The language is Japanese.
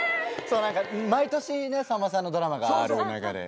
毎年さんまさんのドラマがある中で。